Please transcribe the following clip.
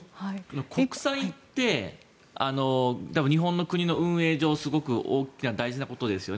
国債って日本の国の運営上すごく大きな大事なことですよね